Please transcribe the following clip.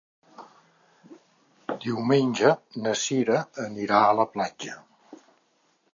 Diumenge na Sira anirà a la platja.